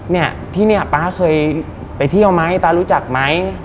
เนี่ยที่เนี่ยป๊าเคยไปเที่ยวไหมป๊ารู้จักไหม